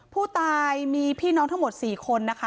ผู้ตายมีพี่น้องทั้งหมด๔คนนะคะ